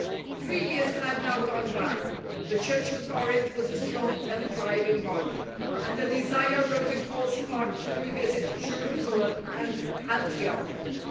Three years had now gone by; the Church of Corinth was a strong and thriving body, and a desire arose in Paul's heart to revisit Jerusa lem and Antioch.